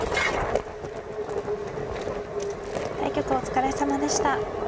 対局お疲れさまでした。